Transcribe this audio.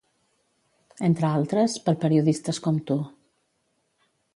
Entre altres, per periodistes com tu.